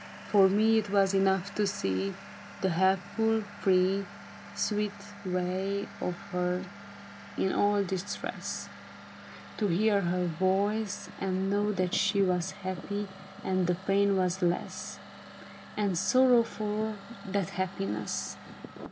For me it was enough to see The helpful, free, Sweet way of her in all distress ; To hear her voice, and know that she Was happy, and that pain was less. And sorrow, for that happiness.